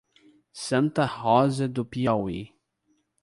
Santa Rosa do Piauí